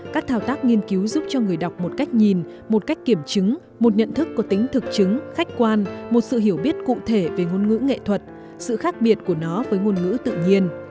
các thao tác nghiên cứu giúp cho người đọc một cách nhìn một cách kiểm chứng một nhận thức có tính thực chứng khách quan một sự hiểu biết cụ thể về ngôn ngữ nghệ thuật sự khác biệt của nó với ngôn ngữ tự nhiên